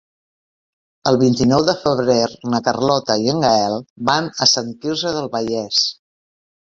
El vint-i-nou de febrer na Carlota i en Gaël van a Sant Quirze del Vallès.